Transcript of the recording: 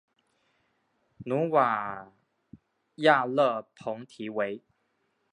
努瓦亚勒蓬提维。